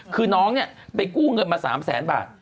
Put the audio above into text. คือน้องเนี่ยไปกู้เงินมา๓แสนบาท